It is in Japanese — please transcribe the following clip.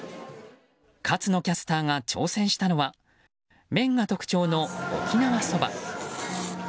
勝野キャスターが挑戦したのは麺が特徴の、沖縄そば。